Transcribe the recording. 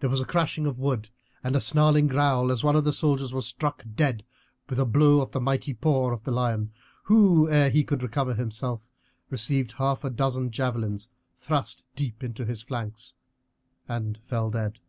There was a crashing of wood and a snarling growl as one of the soldiers was struck dead with a blow of the mighty paw of the lion, who, ere he could recover himself, received half a dozen javelins thrust deep into his flanks, and fell dead.